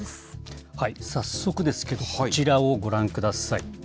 早速ですけど、こちらをご覧ください。